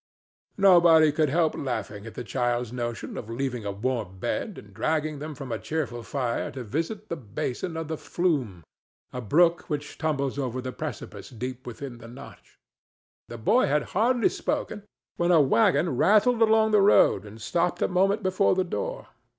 Nobody could help laughing at the child's notion of leaving a warm bed and dragging them from a cheerful fire to visit the basin of the Flume—a brook which tumbles over the precipice deep within the Notch. The boy had hardly spoken, when a wagon rattled along the road and stopped a moment before the door.